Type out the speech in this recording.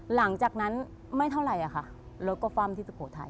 หลังจากนั้นไม่เท่าไหร่ค่ะรถก็ฟ่ำที่สุโขทัย